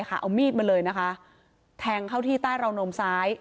เอามีดมาเลยนะคะแทงเข้าที่ใต้ราวนมซ้าย